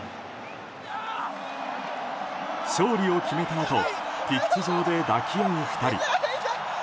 勝利を決めたあとピッチ上で抱き合う２人。